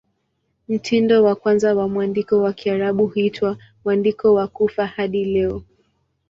Mtindo wa kwanza wa mwandiko wa Kiarabu huitwa "Mwandiko wa Kufa" hadi leo.